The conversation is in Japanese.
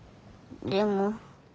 でも。